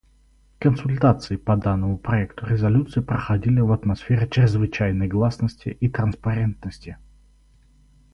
Консультации по данному проекту резолюции проходили в атмосфере чрезвычайной гласности и транспарентности.